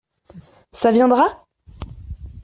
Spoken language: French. Ça viendra ?